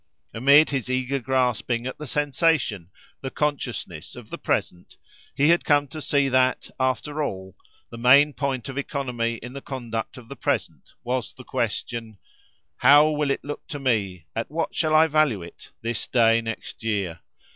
Amid his eager grasping at the sensation, the consciousness, of the present, he had come to see that, after all, the main point of economy in the conduct of the present, was the question:—How will it look to me, at what shall I value it, this day next year?